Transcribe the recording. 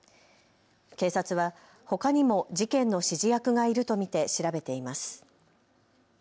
警察はほかにも事件の指示役がいると見て調べています。